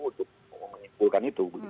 untuk mengumpulkan itu